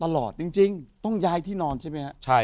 จริงต้องย้ายที่นอนใช่ไหมครับ